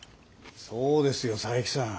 そうですよ佐伯さん。